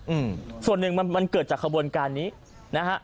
อืมส่วนหนึ่งมันมันเกิดจากขบวนการนี้นะฮะ